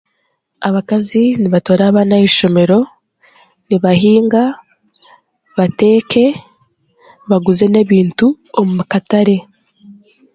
abakaazi nibatwara abaana aha ishomero, nibahinga bateeke baguze n'ebintu omu katare